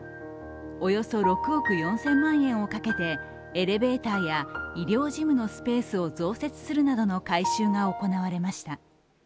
およそ６億４０００万円をかけてエレベーターや医療事務のスペースを増設するなどの改修が行われました。